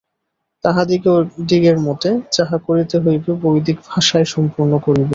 তাঁহাদিগের মত, যাহা করিতে হইবে বৈদিক ভাষায় সম্পূর্ণ করিব।